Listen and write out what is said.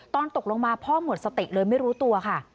ตกลงมาพ่อหมดสติเลยไม่รู้ตัวค่ะ